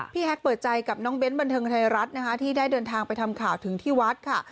แฮกเปิดใจกับน้องเบ้นบันเทิงไทยรัฐนะคะที่ได้เดินทางไปทำข่าวถึงที่วัดค่ะ